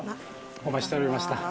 お待ちしておりました。